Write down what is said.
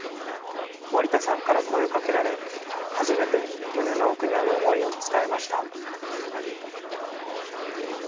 森田さんから声をかけられ、初めて胸の奥にある思いを伝えました。